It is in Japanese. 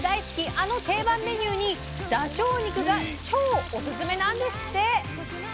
あの定番メニューにダチョウ肉が超オススメなんですって！